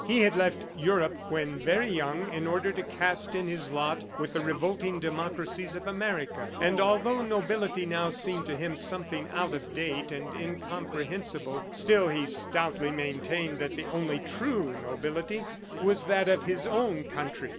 ... He had left Europe when very young in order to cast in his lot with the revolting democracies of America, and although nobility now seemed to him something out of date and incomprehensible, still he stoutly maintained that the only true nobility was that of his own country.